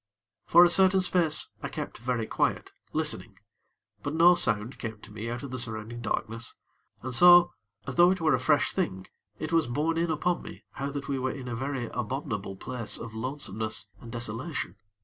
For a certain space, I kept very quiet, listening; but no sound came to me out of the surrounding darkness, and so, as though it were a fresh thing, it was borne in upon me how that we were in a very abominable place of lonesomeness and desolation.